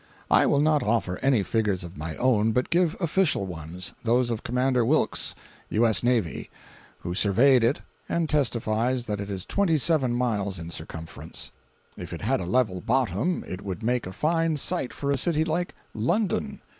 I will not offer any figures of my own, but give official ones—those of Commander Wilkes, U.S.N., who surveyed it and testifies that it is twenty seven miles in circumference! If it had a level bottom it would make a fine site for a city like London.